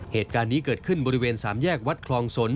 เหตุการณ์นี้เกิดขึ้นบริเวณสามแยกวัดคลองสน